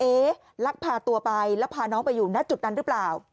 ลักพาตัวไปแล้วพาน้องไปอยู่ณจุดนั้นหรือเปล่า